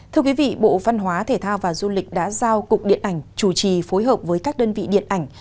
thưa quý vị bộ văn hóa thể thao và du lịch đã giao cục điện ảnh chủ trì phối hợp với các đơn vị điện ảnh